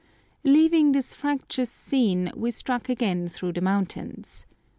Leaving this fractious scene we struck again through the mountains.